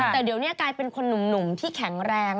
แต่เดี๋ยวนี้กลายเป็นคนหนุ่มที่แข็งแรง